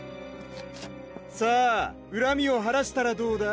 さぁうらみを晴らしたらどうだ？